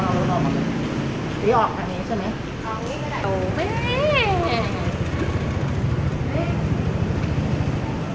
แต่คนนั้นมันงี้เง่าติดประโหลมันจะครึ่งแล้วอีก